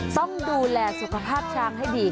ต้องดูแลสุขภาพช้างให้ดี